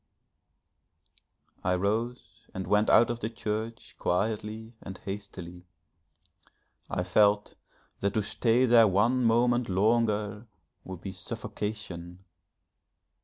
I rose and went out of the church quietly and hastily; I felt that to stay there one moment longer would be suffocation....